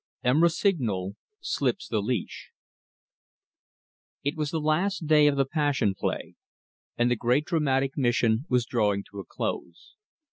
ROSSIGNOL SLIPS THE LEASH It was the last day of the Passion Play, and the great dramatic mission was drawing to a close.